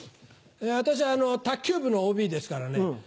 私卓球部のＯＢですからね。